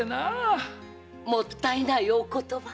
もったいないお言葉。